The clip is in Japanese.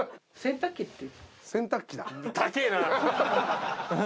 洗濯機だ。